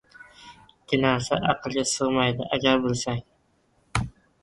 Ikki narsa aqlga sig‘maydi agar bilsang